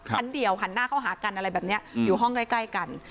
ชั้นเดียวหันหน้าเข้าหากันอะไรแบบนี้อยู่ห้องใกล้กัน